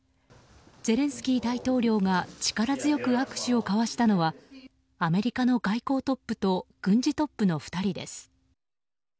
ゼレンスキー大統領が力強く握手を交わしたのはアメリカの外交トップと軍事トップの２人です。